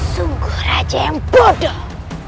sungguh raja yang bodoh